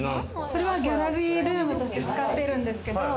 これはギャラリールームとして使っているんですけど。